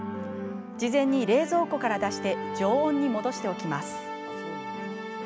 事前に冷蔵庫から出して常温に戻しておきます。